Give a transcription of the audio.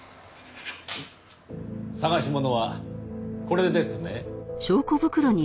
捜し物はこれですね？